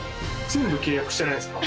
全部契約してないんですか。